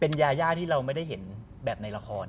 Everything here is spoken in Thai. เป็นยาย่าที่เราไม่ได้เห็นแบบในละคร